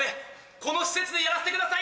この施設でやらせてください